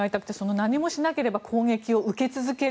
何もしなければ攻撃を受け続ける